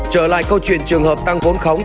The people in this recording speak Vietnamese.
trở lại câu chuyện trường hợp tăng vốn khóng